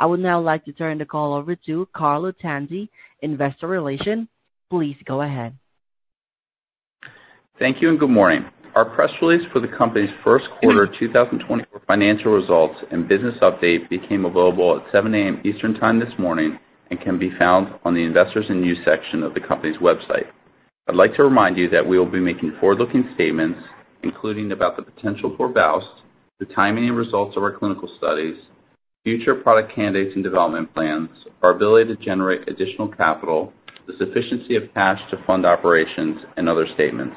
I would now like to turn the call over to Carlo Tanzi, Investor Relations. Please go ahead. Thank you, and good morning. Our press release for the company's Q1 of 2024 financial results and business update became available at 7 A.M. Eastern Time this morning and can be found on the Investors and News section of the company's website. I'd like to remind you that we will be making forward-looking statements, including about the potential for VOWST, the timing and results of our clinical studies, future product candidates and development plans, our ability to generate additional capital, the sufficiency of cash to fund operations and other statements,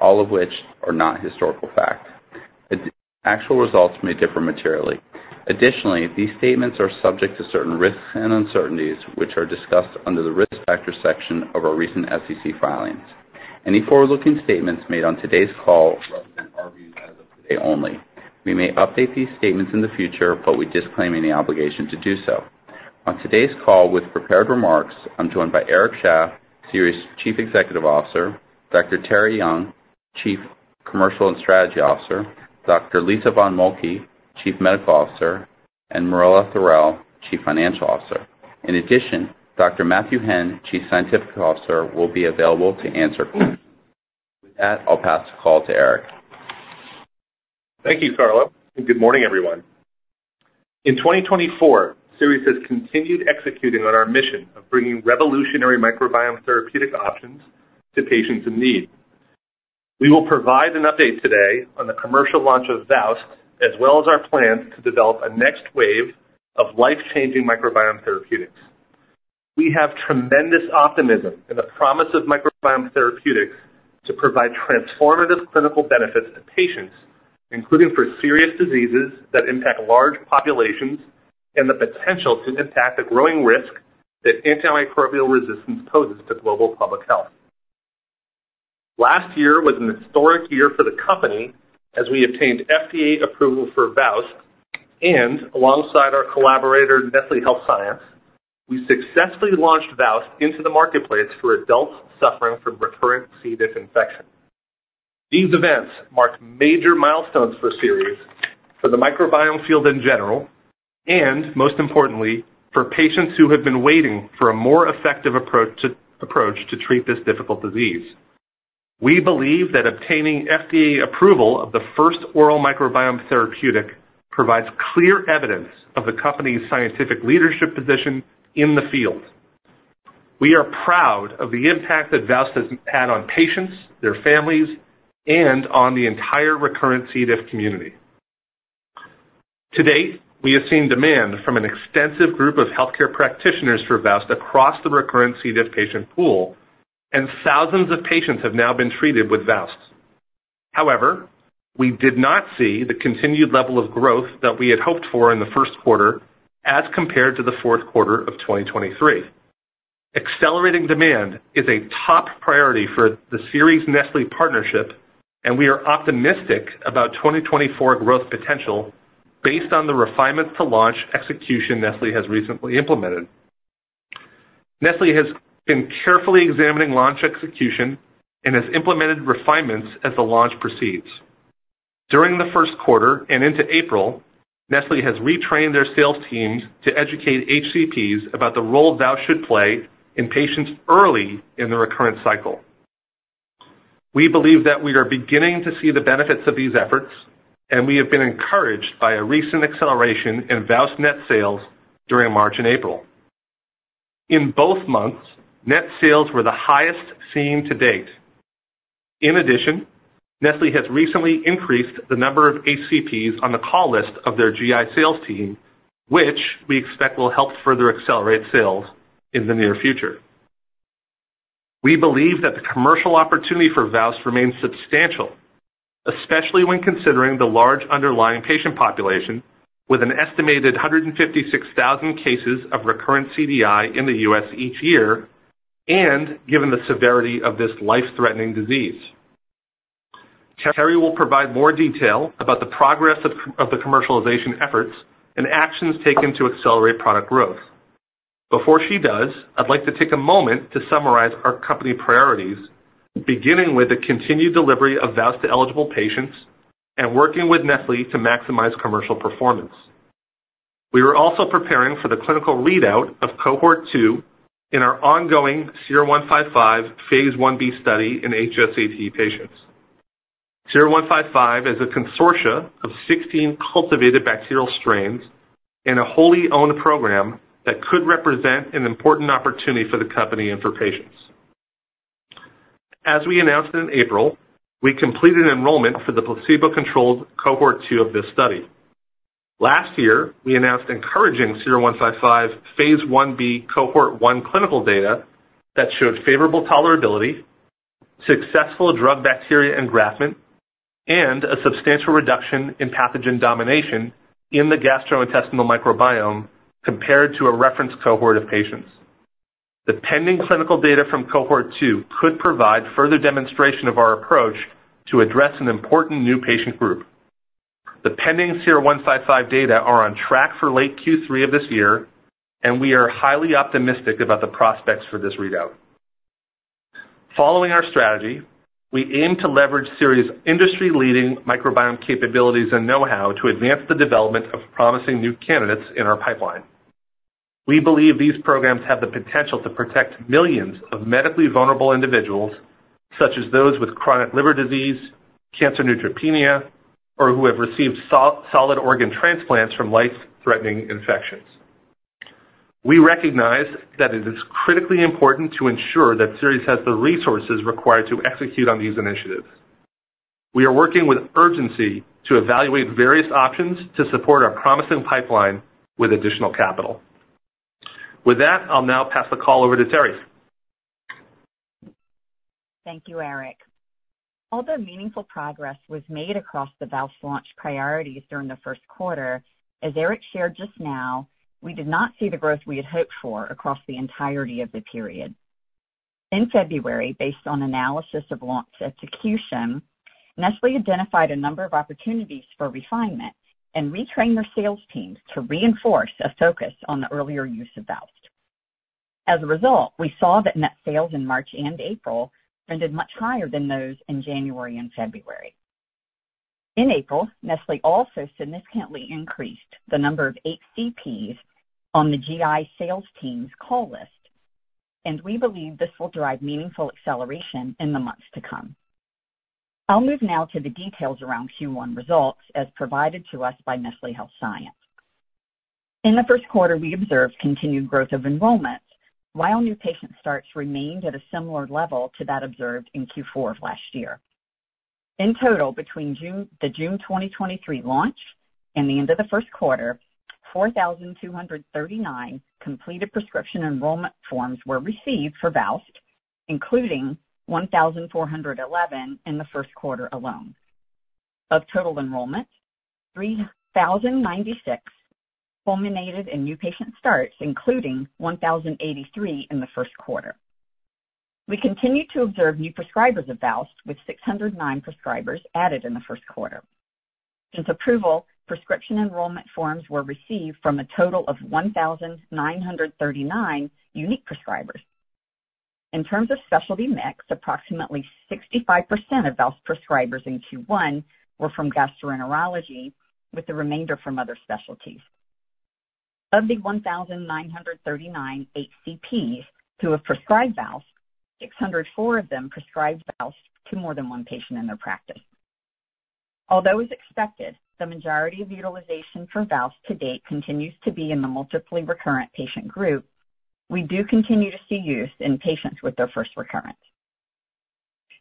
all of which are not historical fact. Actual results may differ materially. Additionally, these statements are subject to certain risks and uncertainties, which are discussed under the Risk Factors section of our recent SEC filings. Any forward-looking statements made on today's call represent our views as of today only. We may update these statements in the future, but we disclaim any obligation to do so. On today's call with prepared remarks, I'm joined by Eric Shaff, Seres' Chief Executive Officer, Dr. Terri Young, Chief Commercial and Strategy Officer, Dr. Lisa von Moltke, Chief Medical Officer, and Marella Thorell, Chief Financial Officer. In addition, Dr. Matthew Henn, Chief Scientific Officer, will be available to answer questions. With that, I'll pass the call to Eric. Thank you, Carlo, and good morning, everyone. In 2024, Seres has continued executing on our mission of bringing revolutionary microbiome therapeutic options to patients in need. We will provide an update today on the commercial launch of VOWST, as well as our plans to develop a next wave of life-changing microbiome therapeutics. We have tremendous optimism in the promise of microbiome therapeutics to provide transformative clinical benefits to patients, including for serious diseases that impact large populations and the potential to impact the growing risk that antimicrobial resistance poses to global public health. Last year was an historic year for the company as we obtained FDA approval for VOWST, and alongside our collaborator, Nestlé Health Science, we successfully launched VOWST into the marketplace for adults suffering from recurrent C. diff infection. These events mark major milestones for Seres, for the microbiome field in general, and most importantly, for patients who have been waiting for a more effective approach to treat this difficult disease. We believe that obtaining FDA approval of the first oral microbiome therapeutic provides clear evidence of the company's scientific leadership position in the field. We are proud of the impact that VOWST has had on patients, their families, and on the entire recurrent C. diff community. To date, we have seen demand from an extensive group of healthcare practitioners for VOWST across the recurrent C. diff patient pool, and thousands of patients have now been treated with VOWST. However, we did not see the continued level of growth that we had hoped for in the Q1 as compared to the Q4 of 2023. Accelerating demand is a top priority for the Seres-Nestlé partnership, and we are optimistic about 2024 growth potential based on the refinements to launch execution Nestlé has recently implemented. Nestlé has been carefully examining launch execution and has implemented refinements as the launch proceeds. During the Q1 and into April, Nestlé has retrained their sales teams to educate HCPs about the role VOWST should play in patients early in the recurrent cycle. We believe that we are beginning to see the benefits of these efforts, and we have been encouraged by a recent acceleration in VOWST net sales during March and April. In both months, net sales were the highest seen to date. In addition, Nestlé has recently increased the number of HCPs on the call list of their GI sales team, which we expect will help further accelerate sales in the near future. We believe that the commercial opportunity for VOWST remains substantial, especially when considering the large underlying patient population, with an estimated 156,000 cases of recurrent CDI in the U.S. each year, and given the severity of this life-threatening disease. Terri will provide more detail about the progress of the commercialization efforts and actions taken to accelerate product growth. Before she does, I'd like to take a moment to summarize our company priorities, beginning with the continued delivery of VOWST to eligible patients and working with Nestlé to maximize commercial performance. We are also preparing for the clinical readout of cohort 2 in our ongoing SER-155, phase Ib study in HSCT patients. SER-155 is a consortium of 16 cultivated bacterial strains and a wholly owned program that could represent an important opportunity for the company and for patients. As we announced in April, we completed enrollment for the placebo-controlled cohort 2 of this study. Last year, we announced encouraging SER-155 phase 1b, Cohort 1 clinical data that showed favorable tolerability, successful drug bacteria engraftment, and a substantial reduction in pathogen domination in the gastrointestinal microbiome compared to a reference cohort of patients. The pending clinical data from cohort 2 could provide further demonstration of our approach to address an important new patient group. The pending SER-155 data are on track for late Q3 of this year, and we are highly optimistic about the prospects for this readout. Following our strategy, we aim to leverage Seres' industry-leading microbiome capabilities and know-how to advance the development of promising new candidates in our pipeline. We believe these programs have the potential to protect millions of medically vulnerable individuals, such as those with chronic liver disease, cancer neutropenia, or who have received solid organ transplants from life-threatening infections. We recognize that it is critically important to ensure that Seres has the resources required to execute on these initiatives. We are working with urgency to evaluate various options to support our promising pipeline with additional capital. With that, I'll now pass the call over to Terri. Thank you, Eric. Although meaningful progress was made across the VOWST launch priorities during the Q1, as Eric shared just now, we did not see the growth we had hoped for across the entirety of the period. In February, based on analysis of launch execution, Nestlé identified a number of opportunities for refinement and retrained their sales teams to reinforce a focus on the earlier use of VOWST. As a result, we saw that net sales in March and April ended much higher than those in January and February. In April, Nestlé also significantly increased the number of HCPs on the GI sales team's call list, and we believe this will drive meaningful acceleration in the months to come. I'll move now to the details around Q1 results as provided to us by Nestlé Health Science. In the Q1, we observed continued growth of enrollments, while new patient starts remained at a similar level to that observed in Q4 of last year. In total, between the June 2023 launch and the end of the Q1, 4,239 completed prescription enrollment forms were received for VOWST, including 1,411 in the Q1 alone. Of total enrollments, 3,096 culminated in new patient starts, including 1,083 in the Q1. We continued to observe new prescribers of VOWST, with 609 prescribers added in the Q1. Since approval, prescription enrollment forms were received from a total of 1,939 unique prescribers. In terms of specialty mix, approximately 65% of VOWST prescribers in Q1 were from gastroenterology, with the remainder from other specialties. Of the 1,939 HCPs who have prescribed VOWST, 604 of them prescribed VOWST to more than one patient in their practice. Although as expected, the majority of utilization for VOWST to date continues to be in the multiply recurrent patient group, we do continue to see use in patients with their first recurrence.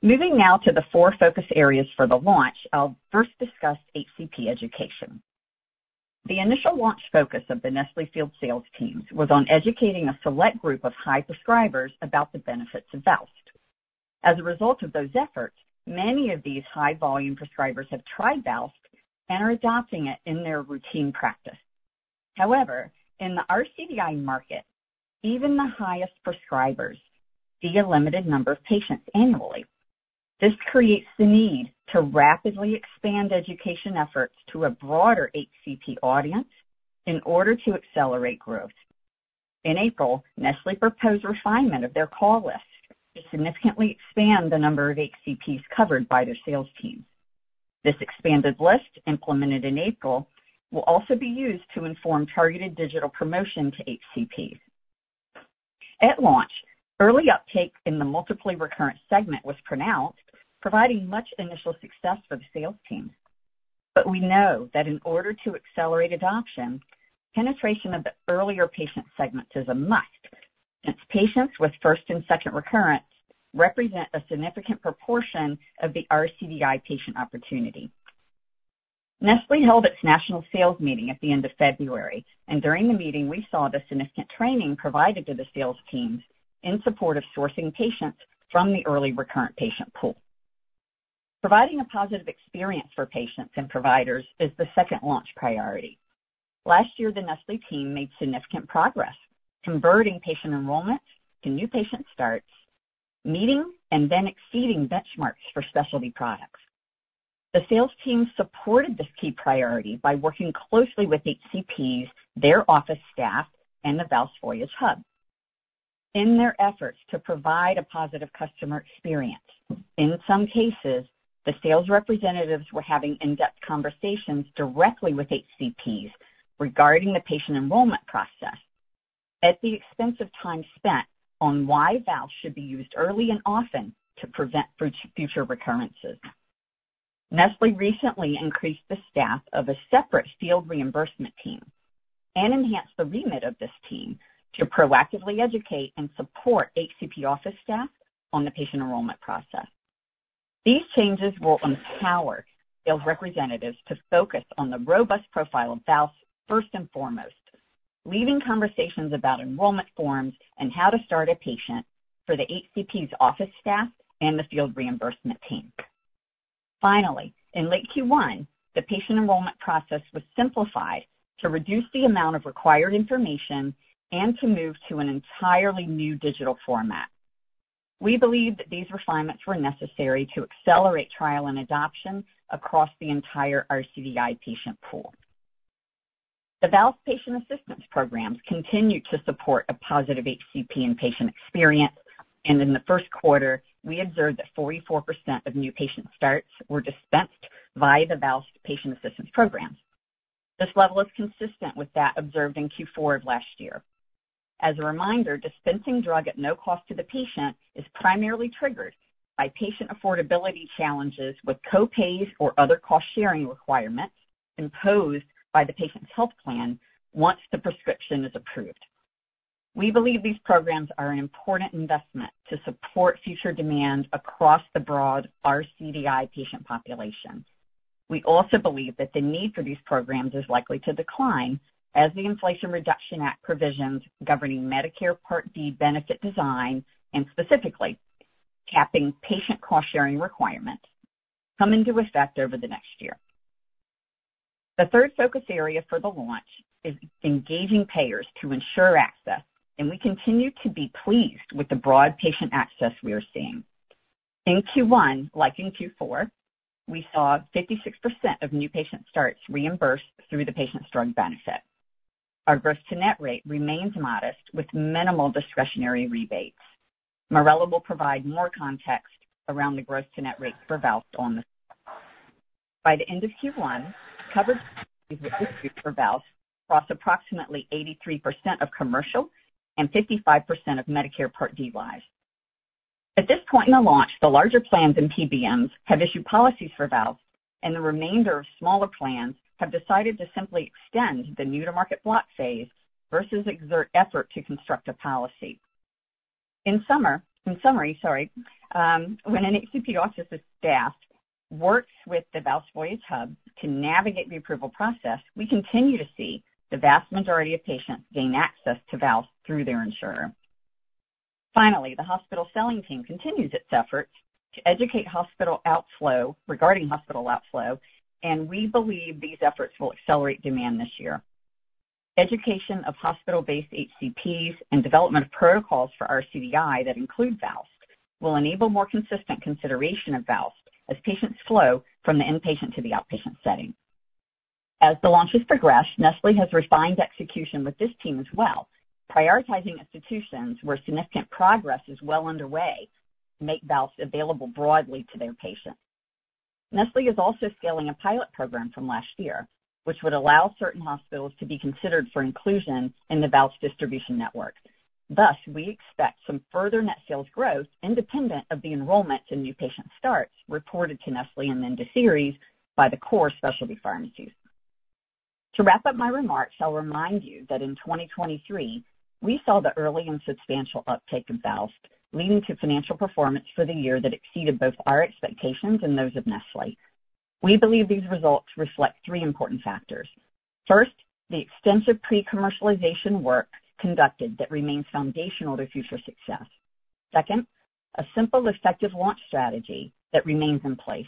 Moving now to the four focus areas for the launch, I'll first discuss HCP education. The initial launch focus of the Nestlé field sales teams was on educating a select group of high prescribers about the benefits of VOWST. As a result of those efforts, many of these high-volume prescribers have tried VOWST and are adopting it in their routine practice. However, in the rCDI market, even the highest prescribers see a limited number of patients annually. This creates the need to rapidly expand education efforts to a broader HCP audience in order to accelerate growth. In April, Nestlé proposed refinement of their call list to significantly expand the number of HCPs covered by their sales team. This expanded list, implemented in April, will also be used to inform targeted digital promotion to HCPs. At launch, early uptake in the multiply recurrent segment was pronounced, providing much initial success for the sales team. But we know that in order to accelerate adoption, penetration of the earlier patient segments is a must, as patients with first and second recurrence represent a significant proportion of the rCDI patient opportunity. Nestlé held its national sales meeting at the end of February, and during the meeting, we saw the significant training provided to the sales teams in support of sourcing patients from the early recurrent patient pool. Providing a positive experience for patients and providers is the second launch priority. Last year, the Nestlé team made significant progress converting patient enrollments to new patient starts, meeting and then exceeding benchmarks for specialty products. The sales team supported this key priority by working closely with HCPs, their office staff, and the VOWST Voyage Hub. In their efforts to provide a positive customer experience, in some cases, the sales representatives were having in-depth conversations directly with HCPs regarding the patient enrollment process, at the expense of time spent on why VOWST should be used early and often to prevent future recurrences. Nestlé recently increased the staff of a separate field reimbursement team and enhanced the remit of this team to proactively educate and support HCP office staff on the patient enrollment process. These changes will empower sales representatives to focus on the robust profile of VOWST first and foremost, leaving conversations about enrollment forms and how to start a patient for the HCP's office staff and the field reimbursement team. Finally, in late Q1, the patient enrollment process was simplified to reduce the amount of required information and to move to an entirely new digital format. We believe that these refinements were necessary to accelerate trial and adoption across the entire rCDI patient pool. The VOWST patient assistance programs continue to support a positive HCP and patient experience, and in the Q1, we observed that 44% of new patient starts were dispensed by the VOWST patient assistance programs. This level is consistent with that observed in Q4 of last year. As a reminder, dispensing drug at no cost to the patient is primarily triggered by patient affordability challenges with co-pays or other cost-sharing requirements imposed by the patient's health plan once the prescription is approved. We believe these programs are an important investment to support future demand across the broad rCDI patient population. We also believe that the need for these programs is likely to decline as the Inflation Reduction Act provisions governing Medicare Part D benefit design, and specifically, capping patient cost-sharing requirements come into effect over the next year. The third focus area for the launch is engaging payers to ensure access, and we continue to be pleased with the broad patient access we are seeing. In Q1, like in Q4, we saw 56% of new patient starts reimbursed through the patient's drug benefit. Our gross to net rate remains modest, with minimal discretionary rebates. Marella will provide more context around the gross to net rate for VOWST on this. By the end of Q1, coverage for VOWST across approximately 83% of commercial and 55% of Medicare Part D lives. At this point in the launch, the larger plans and PBMs have issued policies for VOWST, and the remainder of smaller plans have decided to simply extend the new-to-market block phase versus exert effort to construct a policy. In summary, when an HCP office staff works with the VOWST Voyage Hub to navigate the approval process, we continue to see the vast majority of patients gain access to VOWST through their insurer. Finally, the hospital selling team continues its efforts to educate hospital outflow, regarding hospital outflow, and we believe these efforts will accelerate demand this year. Education of hospital-based HCPs and development of protocols for rCDI that include VOWST will enable more consistent consideration of VOWST as patients flow from the inpatient to the outpatient setting. As the launches progress, Nestlé has refined execution with this team as well, prioritizing institutions where significant progress is well underway to make VOWST available broadly to their patients. Nestlé is also scaling a pilot program from last year, which would allow certain hospitals to be considered for inclusion in the VOWST distribution network. Thus, we expect some further net sales growth independent of the enrollment in new patient starts reported to Nestlé and then to Seres by the core specialty pharmacies. To wrap up my remarks, I'll remind you that in 2023, we saw the early and substantial uptake of VOWST, leading to financial performance for the year that exceeded both our expectations and those of Nestlé. We believe these results reflect three important factors. First, the extensive pre-commercialization work conducted that remains foundational to future success. Second, a simple, effective launch strategy that remains in place.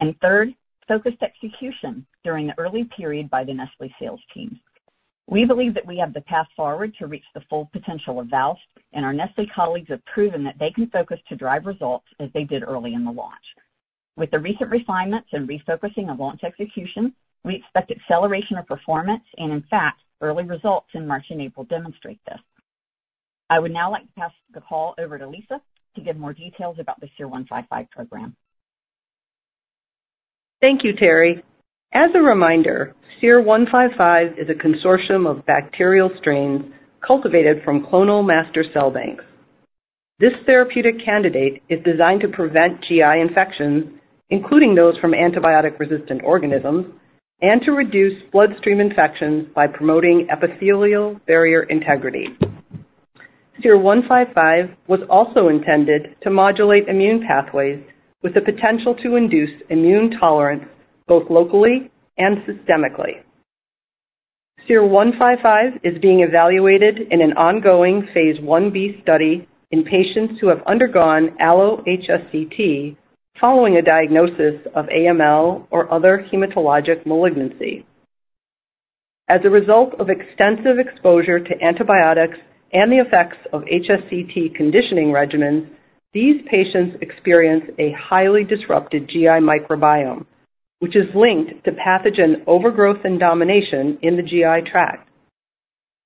And third, focused execution during the early period by the Nestlé sales team. We believe that we have the path forward to reach the full potential of VOWST, and our Nestlé colleagues have proven that they can focus to drive results as they did early in the launch. With the recent refinements and refocusing of launch execution, we expect acceleration of performance, and in fact, early results in March and April demonstrate this. I would now like to pass the call over to Lisa to give more details about the SER-155 program. Thank you, Terri. As a reminder, SER-155 is a consortium of bacterial strains cultivated from clonal master cell banks. This therapeutic candidate is designed to prevent GI infections, including those from antibiotic-resistant organisms, and to reduce bloodstream infections by promoting epithelial barrier integrity. SER-155 was also intended to modulate immune pathways with the potential to induce immune tolerance, both locally and systemically. SER-155 is being evaluated in an ongoing phase Ib study in patients who have undergone allo-HSCT following a diagnosis of AML or other hematologic malignancy. As a result of extensive exposure to antibiotics and the effects of HSCT conditioning regimens, these patients experience a highly disrupted GI microbiome, which is linked to pathogen overgrowth and domination in the GI tract.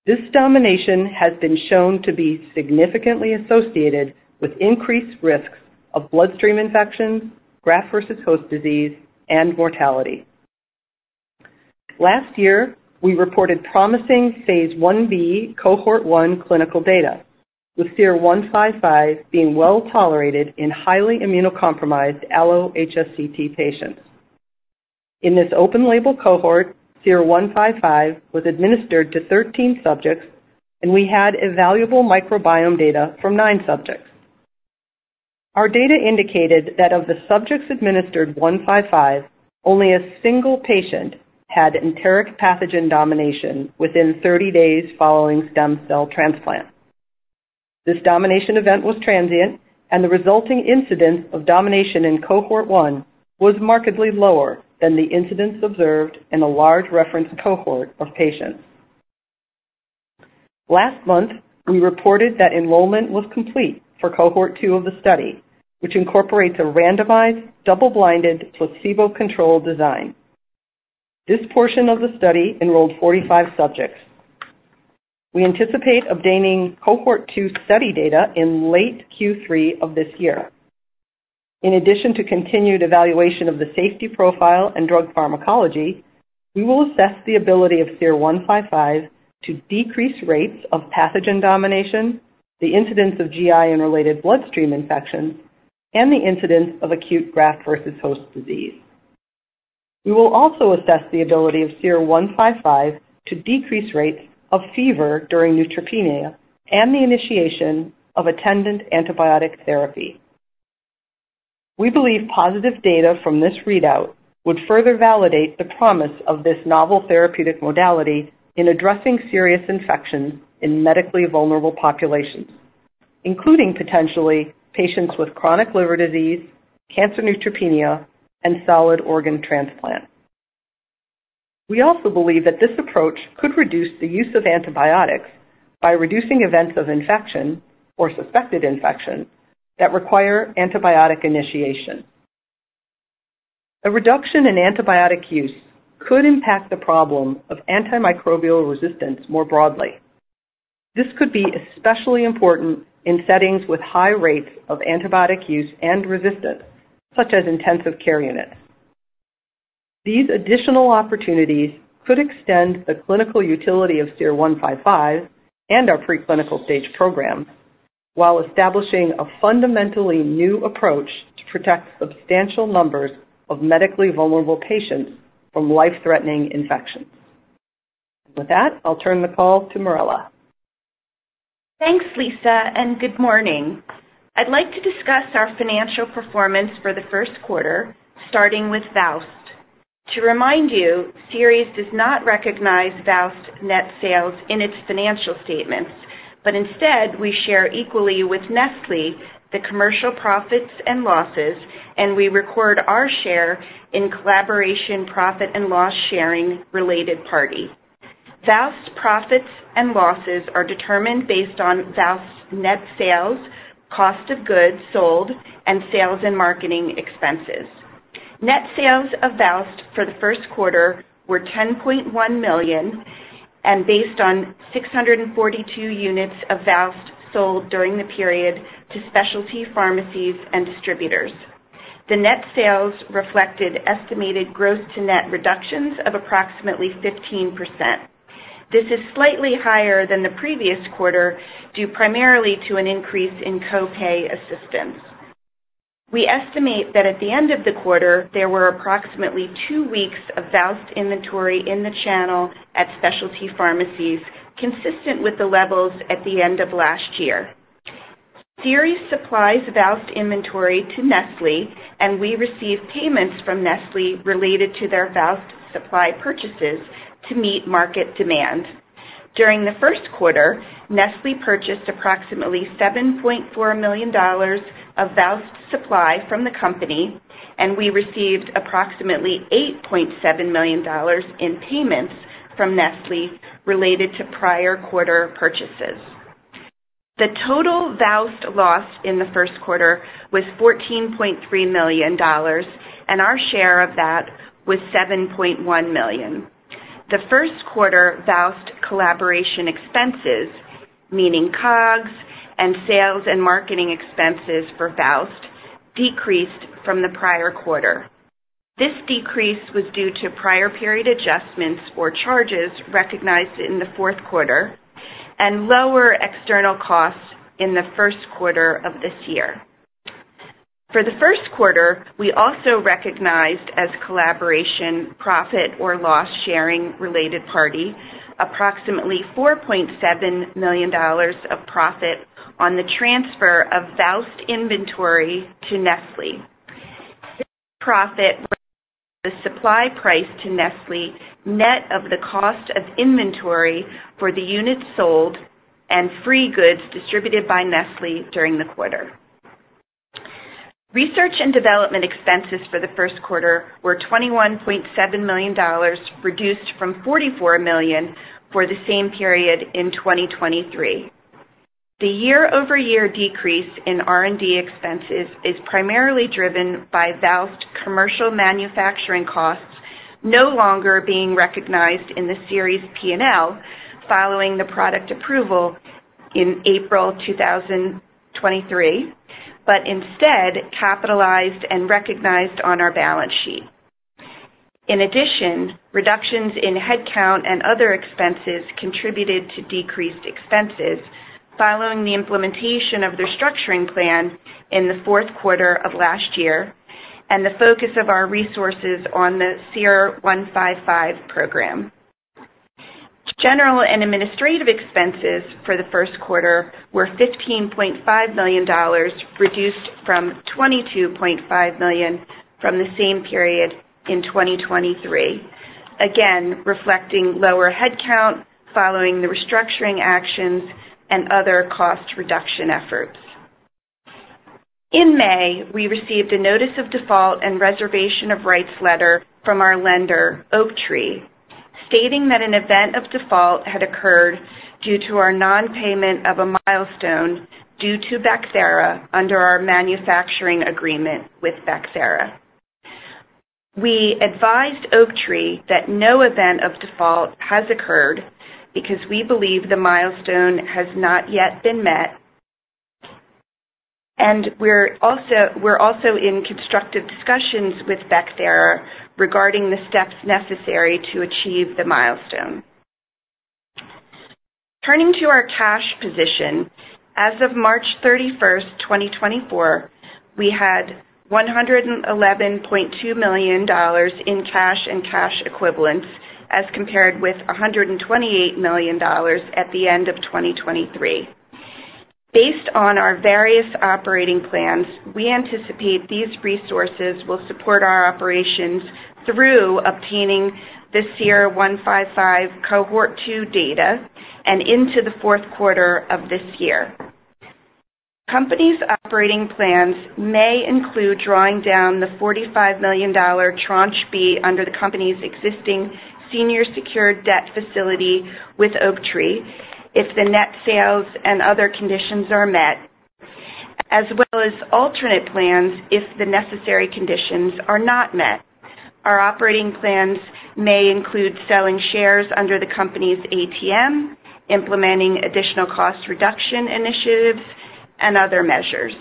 This domination has been shown to be significantly associated with increased risks of bloodstream infections, graft-versus-host disease, and mortality. Last year, we reported promising phase 1b, cohort 1 clinical data, with SER-155 being well tolerated in highly immunocompromised allo-HSCT patients. In this open-label cohort, SER-155 was administered to 13 subjects, and we had evaluable microbiome data from 9 subjects. Our data indicated that of the subjects administered 155, only a single patient had enteric pathogen domination within 30 days following stem cell transplant. This domination event was transient, and the resulting incidence of domination in cohort 1 was markedly lower than the incidence observed in a large reference cohort of patients. Last month, we reported that enrollment was complete for cohort 2 of the study, which incorporates a randomized, double-blind, placebo-controlled design. This portion of the study enrolled 45 subjects. We anticipate obtaining cohort 2 study data in late Q3 of this year. In addition to continued evaluation of the safety profile and drug pharmacology, we will assess the ability of SER-155 to decrease rates of pathogen domination, the incidence of GI and related bloodstream infections, and the incidence of acute graft-versus-host disease. We will also assess the ability of SER-155 to decrease rates of fever during neutropenia and the initiation of attendant antibiotic therapy. We believe positive data from this readout would further validate the promise of this novel therapeutic modality in addressing serious infections in medically vulnerable populations, including potentially patients with chronic liver disease, cancer neutropenia, and solid organ transplant. We also believe that this approach could reduce the use of antibiotics by reducing events of infection or suspected infection that require antibiotic initiation. A reduction in antibiotic use could impact the problem of antimicrobial resistance more broadly. This could be especially important in settings with high rates of antibiotic use and resistance, such as intensive care units. These additional opportunities could extend the clinical utility of SER-155 and our preclinical stage program, while establishing a fundamentally new approach to protect substantial numbers of medically vulnerable patients from life-threatening infections. With that, I'll turn the call to Marella. Thanks, Lisa, and good morning. I'd like to discuss our financial performance for the Q1, starting with VOWST. To remind you, Seres does not recognize VOWST net sales in its financial statements, but instead, we share equally with Nestlé the commercial profits and losses, and we record our share in collaboration, profit, and loss sharing related party. VOWST profits and losses are determined based on VOWST's net sales, cost of goods sold, and sales and marketing expenses. Net sales of VOWST for the Q1 were $10.1 million, and based on 642 units of VOWST sold during the period to specialty pharmacies and distributors. The net sales reflected estimated gross-to-net reductions of approximately 15%. This is slightly higher than the previous quarter, due primarily to an increase in co-pay assistance. We estimate that at the end of the quarter, there were approximately two weeks of VOWST inventory in the channel at specialty pharmacies, consistent with the levels at the end of last year. Seres supplies VOWST inventory to Nestlé, and we receive payments from Nestlé related to their VOWST supply purchases to meet market demand. During the Q1, Nestlé purchased approximately $7.4 million of VOWST supply from the company, and we received approximately $8.7 million in payments from Nestlé related to prior quarter purchases. The total VOWST loss in the Q1 was $14.3 million, and our share of that was $7.1 million. The Q1 VOWST collaboration expenses, meaning COGS and sales and marketing expenses for VOWST, decreased from the prior quarter. This decrease was due to prior period adjustments or charges recognized in the Q4 and lower external costs in the Q1 of this year. For the Q1, we also recognized as collaboration, profit, or loss sharing related party, approximately $4.7 million of profit on the transfer of VOWST inventory to Nestlé. This profit, the supply price to Nestlé, net of the cost of inventory for the units sold and free goods distributed by Nestlé during the quarter. Research and development expenses for the Q1 were $21.7 million, reduced from $44 million for the same period in 2023. The year-over-year decrease in R&D expenses is primarily driven by VOWST commercial manufacturing costs no longer being recognized in the Seres P&L following the product approval in April 2023, but instead capitalized and recognized on our balance sheet. In addition, reductions in headcount and other expenses contributed to decreased expenses following the implementation of the restructuring plan in the Q4 of last year, and the focus of our resources on the SER-155 program. General and administrative expenses for the Q1 were $15.5 million, reduced from $22.5 million from the same period in 2023, again, reflecting lower headcount following the restructuring actions and other cost reduction efforts. In May, we received a notice of default and reservation of rights letter from our lender, Oaktree, stating that an event of default had occurred due to our non-payment of a milestone due to Bacthera under our manufacturing agreement with Bacthera. We advised Oaktree that no event of default has occurred because we believe the milestone has not yet been met, and we're also in constructive discussions with Bacthera regarding the steps necessary to achieve the milestone. Turning to our cash position, as of March 31, 2024, we had $111.2 million in cash and cash equivalents, as compared with $128 million at the end of 2023. Based on our various operating plans, we anticipate these resources will support our operations through obtaining the SER-155 cohort two data and into the Q4 of this year. Company's operating plans may include drawing down the $45 million tranche B under the company's existing senior secured debt facility with Oaktree, if the net sales and other conditions are met, as well as alternate plans if the necessary conditions are not met. Our operating plans may include selling shares under the company's ATM, implementing additional cost reduction initiatives, and other measures.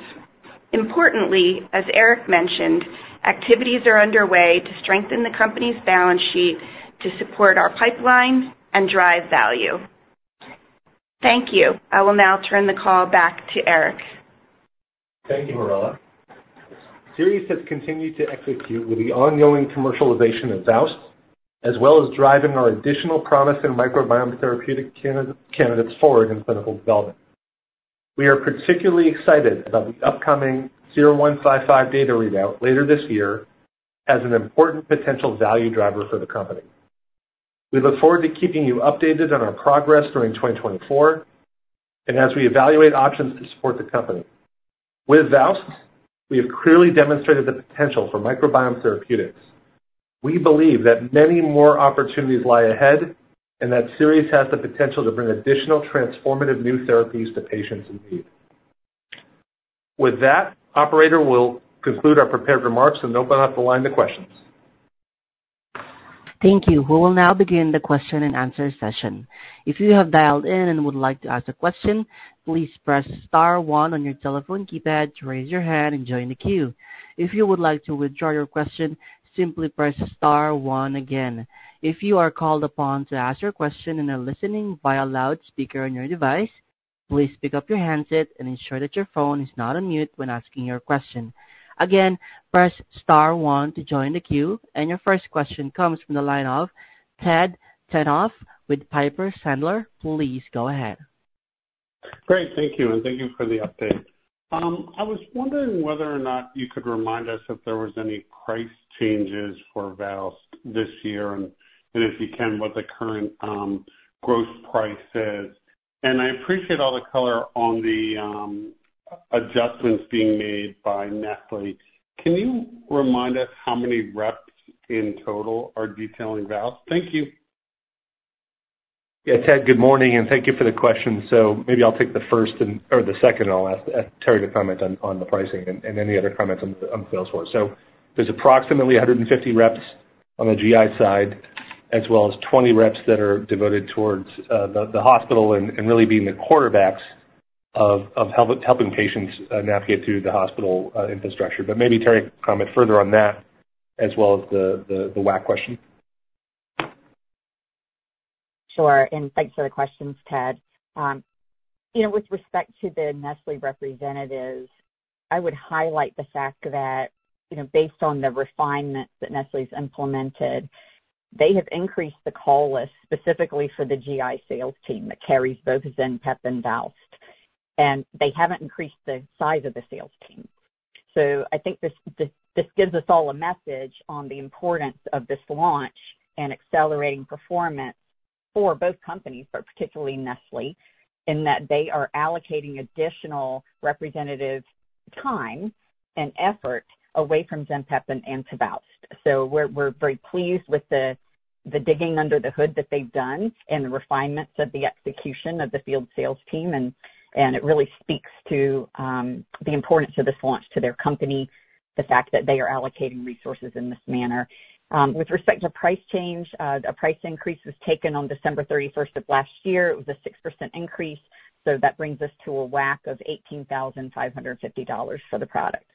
Importantly, as Eric mentioned, activities are underway to strengthen the company's balance sheet to support our pipeline and drive value. Thank you. I will now turn the call back to Eric. Thank you, Marella. Seres has continued to execute with the ongoing commercialization of VOWST, as well as driving our additional promising microbiome therapeutic candidates forward in clinical development. We are particularly excited about the upcoming SER-155 data readout later this year as an important potential value driver for the company. We look forward to keeping you updated on our progress during 2024 and as we evaluate options to support the company. With VOWST, we have clearly demonstrated the potential for microbiome therapeutics. We believe that many more opportunities lie ahead and that Seres has the potential to bring additional transformative new therapies to patients in need. With that, operator, we'll conclude our prepared remarks and open up the line to questions. Thank you. We will now begin the Q&A session. If you have dialed in and would like to ask a question, please press star one on your telephone keypad to raise your hand and join the queue. If you would like to withdraw your question, simply press star one again. If you are called upon to ask your question and are listening via loudspeaker on your device, please pick up your handset and ensure that your phone is not on mute when asking your question. Again, press star one to join the queue, and your first question comes from the line of Ted Tenthoff with Piper Sandler. Please go ahead. Great. Thank you, and thank you for the update. I was wondering whether or not you could remind us if there was any price changes for VOWST this year, and, and if you can, what the current gross price is. I appreciate all the color on the adjustments being made by Nestlé. Can you remind us how many reps in total are detailing VOWST? Thank you. Yeah, Ted, good morning, and thank you for the question. So maybe I'll take the first and or the second, and I'll ask Terri to comment on the pricing and any other comments on the sales force. So there's approximately 150 reps on the GI side, as well as 20 reps that are devoted towards the hospital and really being the quarterbacks of helping patients navigate through the hospital infrastructure. But maybe Terri, comment further on that as well as the WAC question. Sure, and thanks for the questions, Ted. You know, with respect to the Nestlé representatives, I would highlight the fact that, you know, based on the refinements that Nestlé's implemented, they have increased the call list specifically for the GI sales team that carries both Zenpep and VOWST, and they haven't increased the size of the sales team. So I think this gives us all a message on the importance of this launch and accelerating performance for both companies, but particularly Nestlé, in that they are allocating additional representative time and effort away from Zenpep and to VOWST. So we're very pleased with the digging under the hood that they've done and the refinements of the execution of the field sales team, and it really speaks to the importance of this launch to their company, the fact that they are allocating resources in this manner. With respect to price change, a price increase was taken on December 31st of last year. It was a 6% increase, so that brings us to a WAC of $18,550 for the product.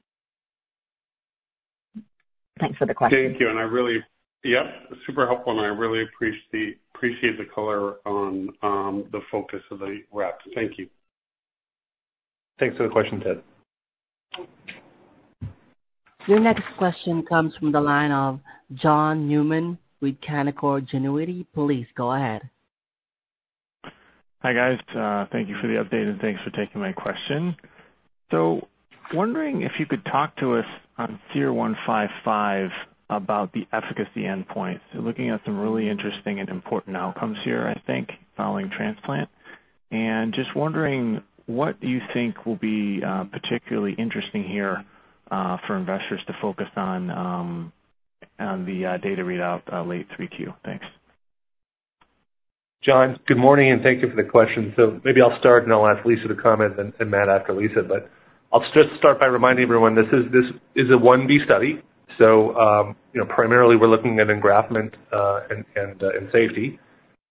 Thanks for the question. Thank you, and I really... Yep, super helpful, and I really appreciate the color on the focus of the rep. Thank you. Thanks for the question, Ted. Your next question comes from the line of John Newman with Canaccord Genuity. Please go ahead. Hi, guys. Thank you for the update, and thanks for taking my question. So wondering if you could talk to us on SER-155 about the efficacy endpoint. So looking at some really interesting and important outcomes here, I think, following transplant, and just wondering what you think will be particularly interesting here for investors to focus on.... on the data readout late 3Q. Thanks. John, good morning, and thank you for the question. So maybe I'll start, and I'll ask Lisa to comment and Matt after Lisa. But I'll just start by reminding everyone, this is a 1b study, so, you know, primarily, we're looking at engraftment and safety.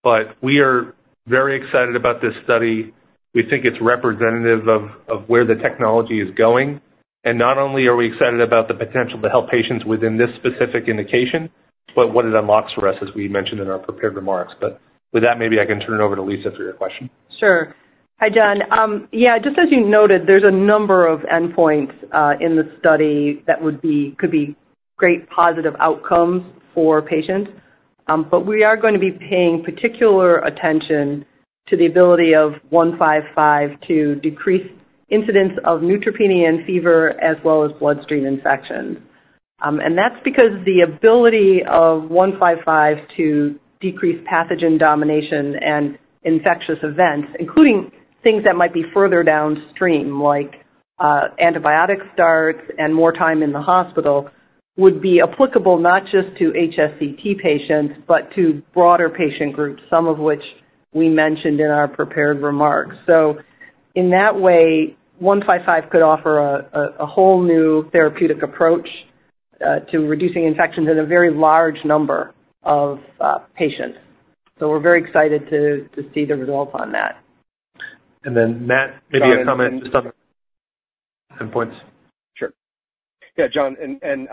But we are very excited about this study. We think it's representative of where the technology is going. And not only are we excited about the potential to help patients within this specific indication, but what it unlocks for us, as we mentioned in our prepared remarks. But with that, maybe I can turn it over to Lisa for your question. Sure. Hi, John. Yeah, just as you noted, there's a number of endpoints in the study that could be great positive outcomes for patients. But we are going to be paying particular attention to the ability of 155 to decrease incidence of neutropenia and fever, as well as bloodstream infections. And that's because the ability of 155 to decrease pathogen domination and infectious events, including things that might be further downstream, like antibiotic starts and more time in the hospital, would be applicable not just to HSCT patients, but to broader patient groups, some of which we mentioned in our prepared remarks. So in that way, 155 could offer a whole new therapeutic approach to reducing infections in a very large number of patients. So we're very excited to see the results on that. And then, Matt, maybe a comment on some points. Sure. Yeah, John, and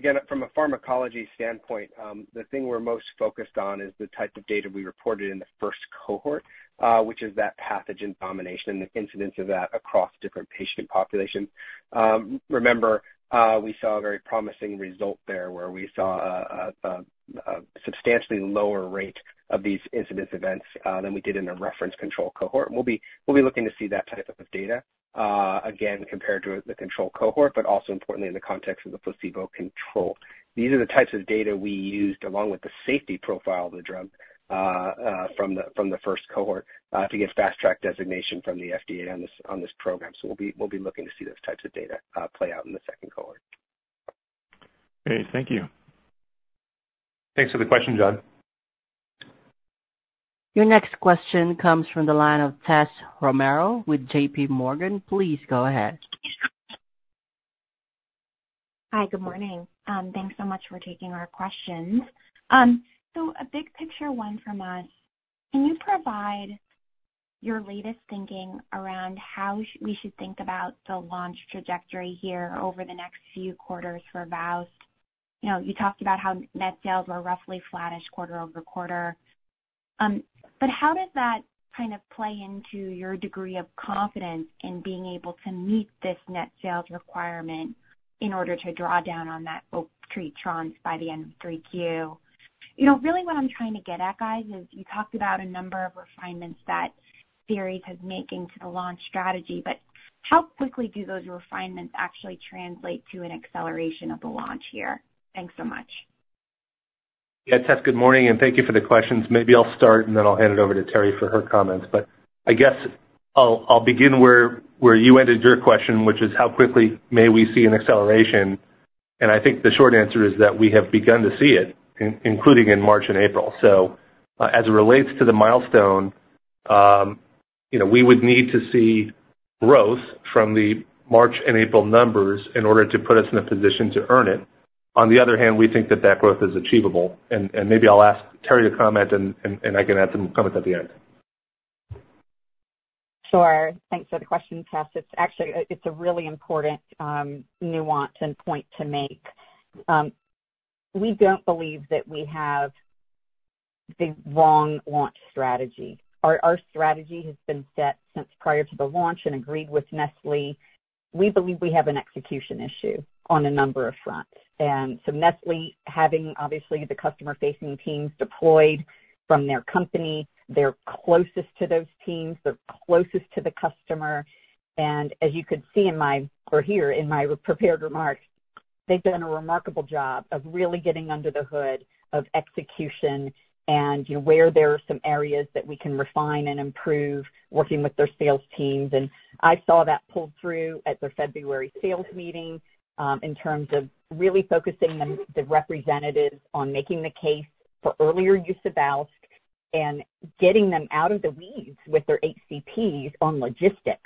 again, from a pharmacology standpoint, the thing we're most focused on is the type of data we reported in the first cohort, which is that pathogen domination, the incidence of that across different patient populations. Remember, we saw a very promising result there, where we saw a substantially lower rate of these incidence events than we did in the reference control cohort. We'll be looking to see that type of data again, compared to the control cohort, but also importantly, in the context of the placebo control. These are the types of data we used, along with the safety profile of the drug, from the first cohort, to get fast track designation from the FDA on this program. We'll be looking to see those types of data play out in the second cohort. Great. Thank you. Thanks for the question, John. Your next question comes from the line of Tessa Romero with JPMorgan. Please go ahead. Hi, good morning. Thanks so much for taking our questions. So a big picture one from us, can you provide your latest thinking around how we should think about the launch trajectory here over the next few quarters for VOWST? You know, you talked about how net sales were roughly flattish quarter-over-quarter. But how does that kind of play into your degree of confidence in being able to meet this net sales requirement in order to draw down on that Oaktree tranche by the end of 3Q? You know, really what I'm trying to get at, guys, is you talked about a number of refinements that Seres is making to the launch strategy, but how quickly do those refinements actually translate to an acceleration of the launch here? Thanks so much. Yeah, Tess, good morning, and thank you for the questions. Maybe I'll start, and then I'll hand it over to Terri for her comments. But I guess I'll begin where you ended your question, which is how quickly may we see an acceleration? And I think the short answer is that we have begun to see it, including in March and April. So, as it relates to the milestone, you know, we would need to see growth from the March and April numbers in order to put us in a position to earn it. On the other hand, we think that that growth is achievable, and maybe I'll ask Terri to comment, and I can add some comments at the end. Sure. Thanks for the question, Tess. It's actually a really important nuance and point to make. We don't believe that we have the wrong launch strategy. Our strategy has been set since prior to the launch and agreed with Nestlé. We believe we have an execution issue on a number of fronts. And so Nestlé, having obviously the customer-facing teams deployed from their company, they're closest to those teams, they're closest to the customer, and as you could see or hear in my prepared remarks, they've done a remarkable job of really getting under the hood of execution and, you know, where there are some areas that we can refine and improve working with their sales teams. And I saw that pulled through at their February sales meeting, in terms of really focusing the representatives on making the case for earlier use of VOWST and getting them out of the weeds with their HCPs on logistics,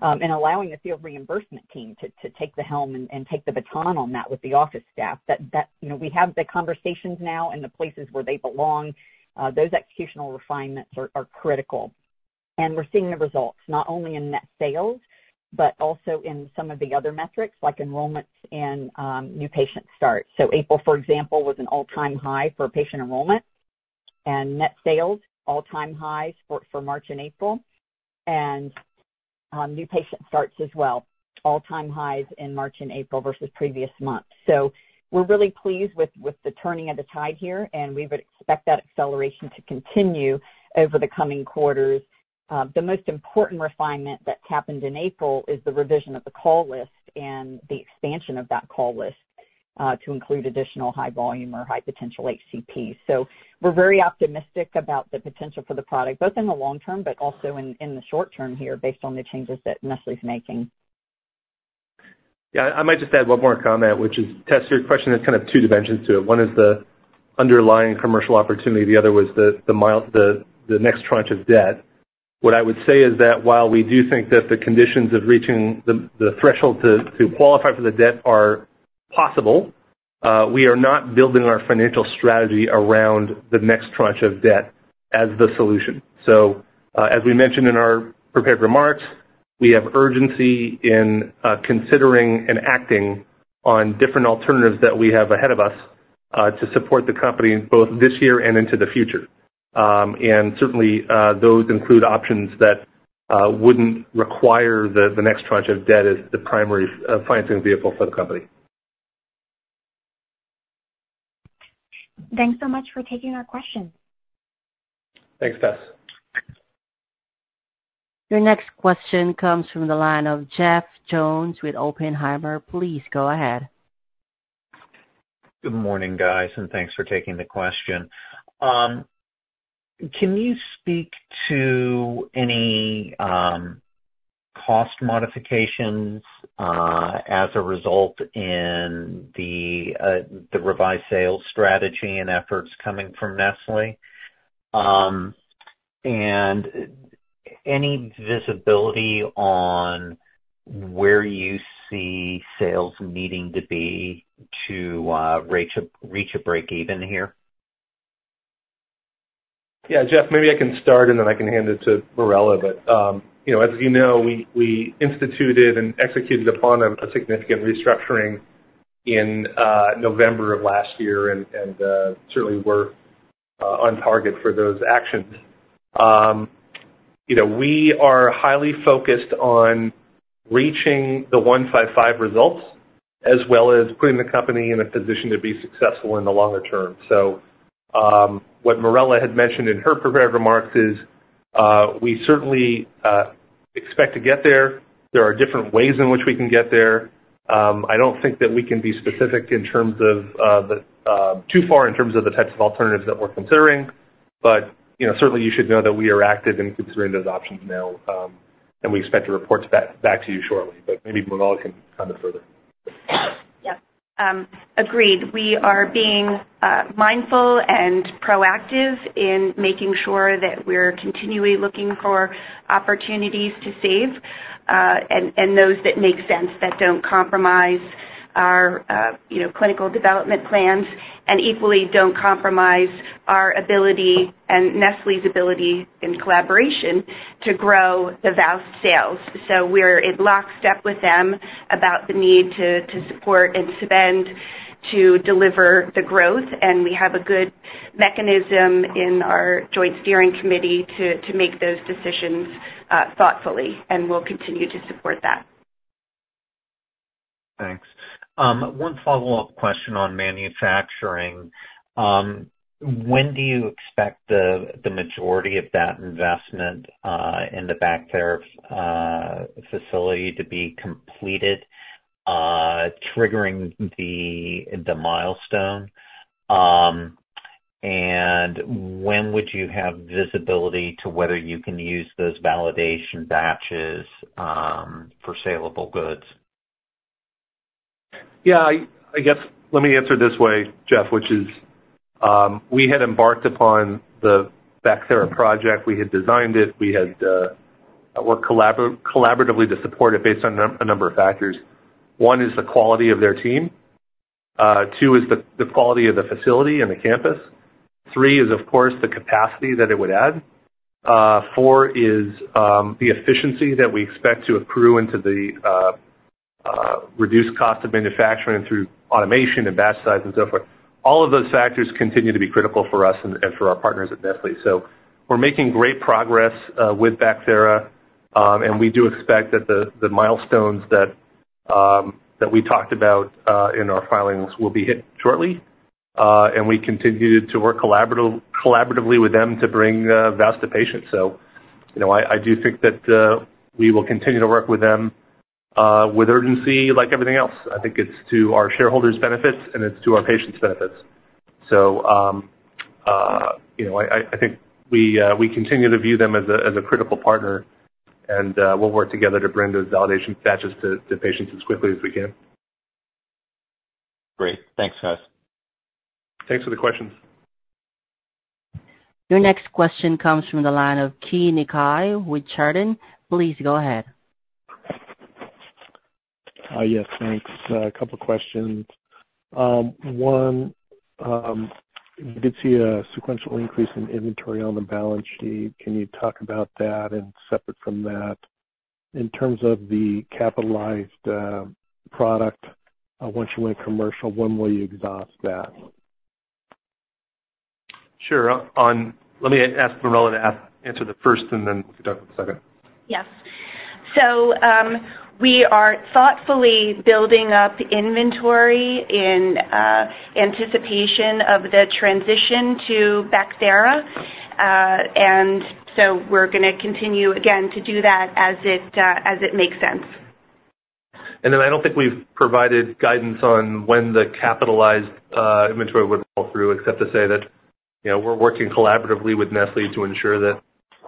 and allowing the field reimbursement team to take the helm and take the baton on that with the office staff. That, you know, we have the conversations now in the places where they belong. Those executional refinements are critical, and we're seeing the results, not only in net sales, but also in some of the other metrics, like enrollments and new patient starts. So April, for example, was an all-time high for patient enrollment and net sales, all-time highs for March and April, and new patient starts as well, all-time highs in March and April versus previous months. So we're really pleased with, with the turning of the tide here, and we would expect that acceleration to continue over the coming quarters. The most important refinement that happened in April is the revision of the call list and the expansion of that call list to include additional high volume or high potential HCPs. So we're very optimistic about the potential for the product, both in the long term, but also in, in the short term here, based on the changes that Nestlé's making.... Yeah, I might just add one more comment, which is, Tess, your question has kind of two dimensions to it. One is the underlying commercial opportunity, the other was the next tranche of debt. What I would say is that while we do think that the conditions of reaching the threshold to qualify for the debt are possible, we are not building our financial strategy around the next tranche of debt as the solution. So, as we mentioned in our prepared remarks, we have urgency in considering and acting on different alternatives that we have ahead of us to support the company both this year and into the future. And certainly, those include options that wouldn't require the next tranche of debt as the primary financing vehicle for the company. Thanks so much for taking our question. Thanks, Tess. Your next question comes from the line of Jeff Jones with Oppenheimer. Please go ahead. Good morning, guys, and thanks for taking the question. Can you speak to any cost modifications as a result in the revised sales strategy and efforts coming from Nestlé? And any visibility on where you see sales needing to be to reach a break even here? Yeah, Jeff, maybe I can start, and then I can hand it to Marella. But you know, as you know, we instituted and executed upon a significant restructuring in November of last year, and certainly we're on target for those actions. You know, we are highly focused on reaching the 155 results, as well as putting the company in a position to be successful in the longer term. So, what Marella had mentioned in her prepared remarks is we certainly expect to get there. There are different ways in which we can get there. I don't think that we can be specific in terms of the too far in terms of the types of alternatives that we're considering. You know, certainly you should know that we are active in considering those options now, and we expect to report back to you shortly. But maybe Marella can comment further. Yep. Agreed. We are being mindful and proactive in making sure that we're continually looking for opportunities to save and those that make sense, that don't compromise our, you know, clinical development plans, and equally don't compromise our ability and Nestlé's ability and collaboration to grow the VOWST sales. So we're in lockstep with them about the need to support and spend, to deliver the growth, and we have a good mechanism in our joint steering committee to make those decisions thoughtfully, and we'll continue to support that. Thanks. One follow-up question on manufacturing: When do you expect the majority of that investment in the Bacthera facility to be completed, triggering the milestone? And when would you have visibility to whether you can use those validation batches for salable goods? Yeah, I guess, let me answer it this way, Jeff, which is, we had embarked upon the Bacthera project. We had designed it. We had worked collaboratively to support it based on a number of factors. One is the quality of their team. Two is the quality of the facility and the campus. Three is, of course, the capacity that it would add. Four is the efficiency that we expect to accrue into the reduced cost of manufacturing through automation and batch sizes and so forth. All of those factors continue to be critical for us and for our partners at Nestlé. So we're making great progress with Bacthera, and we do expect that the milestones that we talked about in our filings will be hit shortly. We continue to work collaboratively with them to bring VOWST to patients. So you know, I do think that we will continue to work with them with urgency like everything else. I think it's to our shareholders' benefits, and it's to our patients' benefits. So you know, I think we continue to view them as a critical partner, and we'll work together to bring those validation batches to patients as quickly as we can. Great. Thanks, guys. Thanks for the questions. Your next question comes from the line of Keay Nakae with Chardan. Please go ahead. Yes, thanks. A couple questions. One, we did see a sequential increase in inventory on the balance sheet. Can you talk about that? And separate from that, in terms of the capitalized product, once you went commercial, when will you exhaust that? Sure. Let me ask Marella to answer the first and then the second. Yes. So, we are thoughtfully building up inventory in anticipation of the transition to Bacthera. So we're gonna continue, again, to do that as it makes sense. I don't think we've provided guidance on when the capitalized inventory would fall through, except to say that, you know, we're working collaboratively with Nestlé to ensure that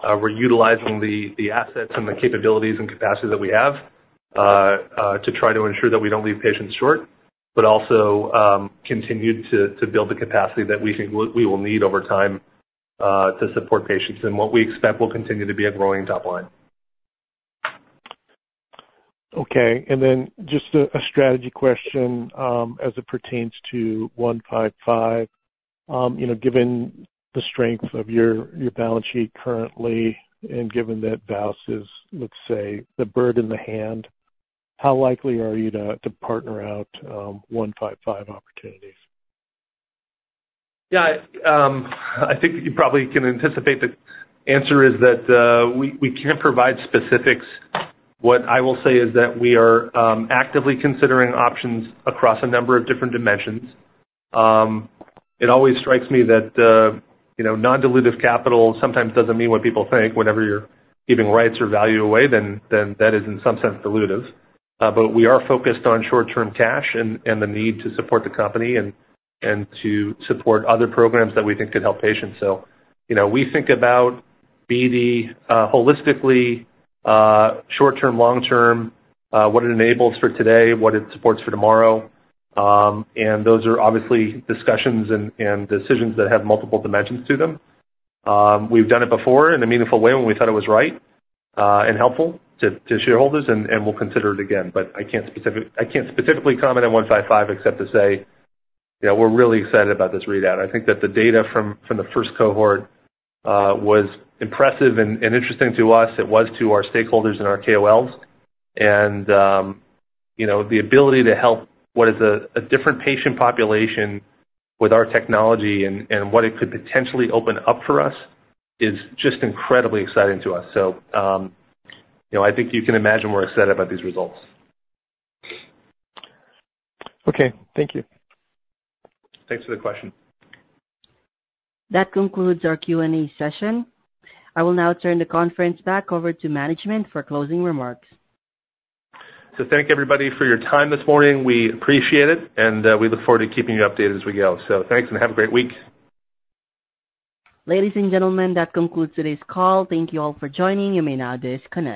we're utilizing the assets and the capabilities and capacity that we have to try to ensure that we don't leave patients short, but also continue to build the capacity that we think we will need over time to support patients and what we expect will continue to be a growing top line. Okay, and then just a strategy question as it pertains to 155. You know, given the strength of your balance sheet currently, and given that VOWST is, let's say, the bird in the hand, how likely are you to partner out 155 opportunities? Yeah, I think you probably can anticipate the answer is that we can't provide specifics. What I will say is that we are actively considering options across a number of different dimensions. It always strikes me that, you know, non-dilutive capital sometimes doesn't mean what people think. Whenever you're giving rights or value away, then that is, in some sense, dilutive. But we are focused on short-term cash and the need to support the company and to support other programs that we think could help patients. So you know, we think about BD holistically, short term, long term, what it enables for today, what it supports for tomorrow. And those are obviously discussions and decisions that have multiple dimensions to them. We've done it before in a meaningful way when we thought it was right, and helpful to shareholders, and we'll consider it again. But I can't specifically comment on 155 except to say, yeah, we're really excited about this readout. I think that the data from the first cohort was impressive and interesting to us. It was to our stakeholders and our KOLs, and, you know, the ability to help what is a different patient population with our technology and what it could potentially open up for us is just incredibly exciting to us. So, you know, I think you can imagine we're excited about these results. Okay, thank you. Thanks for the question. That concludes our Q&A session. I will now turn the conference back over to management for closing remarks. Thank you, everybody, for your time this morning. We appreciate it, and we look forward to keeping you updated as we go. Thanks, and have a great week. Ladies and gentlemen, that concludes today's call. Thank you all for joining. You may now disconnect.